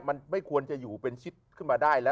มันไม่ควรจะอยู่เป็นชิดขึ้นมาได้แล้ว